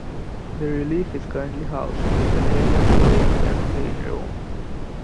The relief is currently housed at the Galleria Doria Pamphili in Rome.